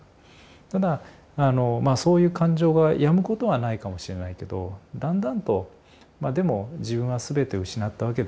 ただそういう感情がやむことはないかもしれないけどだんだんとでも自分は全て失ったわけではないんだと。